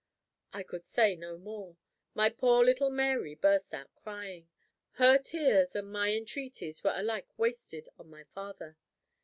I could say no more. My poor little Mary burst out crying. Her tears and my entreaties were alike wasted on my father.